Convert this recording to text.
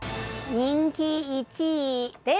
人気１位です！